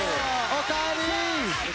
おかえり！